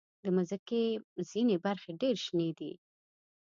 د مځکې ځینې برخې ډېر شنې دي.